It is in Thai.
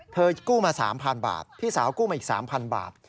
กู้มา๓๐๐บาทพี่สาวกู้มาอีก๓๐๐บาท